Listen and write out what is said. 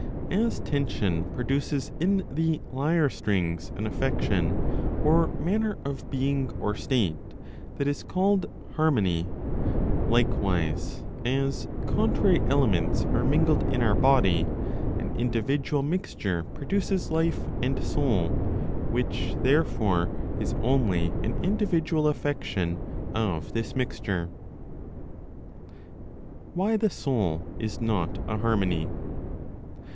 As tension produces in the lyre strings an affection (or, manner of being, or state) that is called harmony, likewise, as contrary elements are mingled in our body, an individual mixture produces life and soul, which, therefore, is only an individual affection of this mixture. WHY THE SOUL IS NOT A HARMONY.